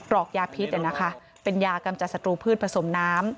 รอกยาพิษเนี่ยนะคะเป็นยากำจัดสตรูพืชผสมน้ำ